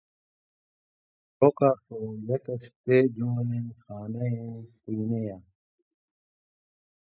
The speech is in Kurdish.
Xiroka sor yek ji sê corên xaneyên xwînê ye.